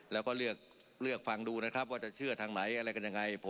แล้วก็เลือกฟังดูนะครับว่าจะเชื่อทางไหนอะไรกันยังไง